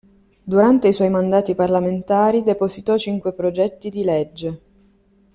Durante i suoi mandati parlamentari, depositò cinque progetti di legge.